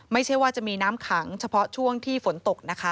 ไม่ใช่ว่าจะมีน้ำขังเฉพาะช่วงที่ฝนตกนะคะ